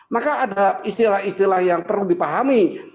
maka ada istilah istilah yang perlu dipahami